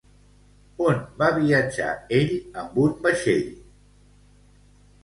On va viatjar ell amb un vaixell?